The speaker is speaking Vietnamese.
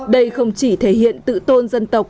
đây không chỉ thể hiện tự tôn dân tộc